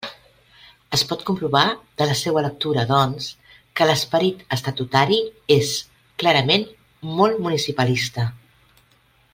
Es pot comprovar de la seua lectura, doncs, que l'esperit estatutari és, clarament, molt municipalista.